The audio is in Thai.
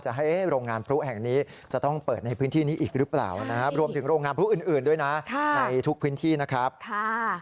แห่งหรือเปิดในพื้นที่รวมถึงโรงงานอื่นด้วยนะ